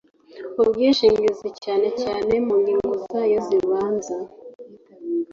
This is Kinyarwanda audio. ubwishingizi cyane cyane mu ngingo zayo zibanza.